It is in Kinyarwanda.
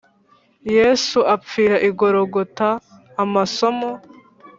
Yesu apfira i Gologota Amasomo